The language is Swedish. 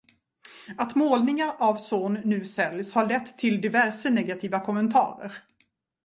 Att målningar av Zorn nu säljs har lett till diverse negativa kommentarer.